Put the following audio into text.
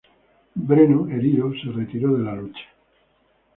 Breno, herido, se retiró de la lucha.